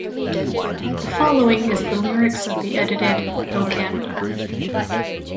The following is the lyrics of the edited "O Canada".